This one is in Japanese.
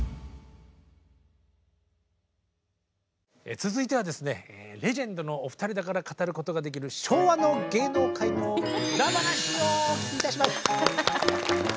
続いてはですねレジェンドのお二人だから語ることができる昭和の芸能界の裏話をお聞きいたします。